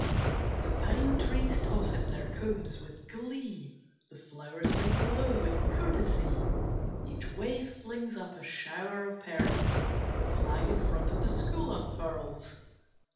The pine trees toss him their cones with glee, The flowers bend low in courtesy, Each wave flings up a shower of pearls, The flag in front of the school unfurls.